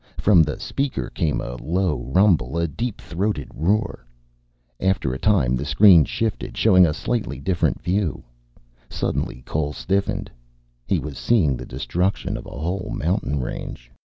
From the speaker came a low rumble, a deep throated roar. After a time the screen shifted, showing a slightly different view. Suddenly Cole stiffened. He was seeing the destruction of a whole mountain range.